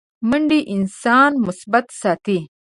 منډه انسان مثبت ساتي